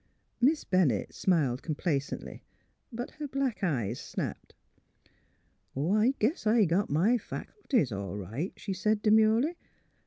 Miss Bennett smiled complacently, but her black eyes snapped. *' Oh, I guess I got my faculties, all right," she said, demurely.